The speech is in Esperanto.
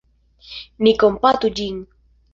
Ni kompatu ĝin.